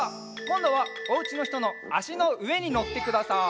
こんどはおうちのひとのあしのうえにのってください。